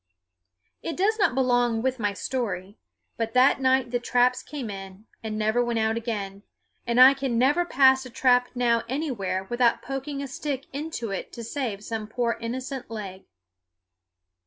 It does not belong with my story, but that night the traps came in, and never went out again; and I can never pass a trap now anywhere without poking a stick into it to save some poor innocent leg.